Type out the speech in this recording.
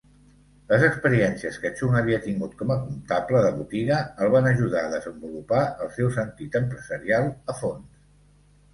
Les experiències que Chung havia tingut com a comptable de botiga el van ajudar a desenvolupar el seu sentit empresarial a fons.